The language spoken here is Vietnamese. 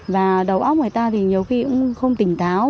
và đầu óc người ta thì nhiều khi cũng không tỉnh táo